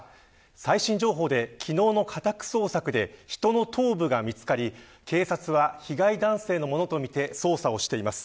最新情報で昨日の家宅捜索で人の頭部が見つかり警察は被害男性のものとみて捜査をしています。